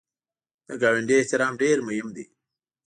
د ګاونډي احترام ډېر مهم دی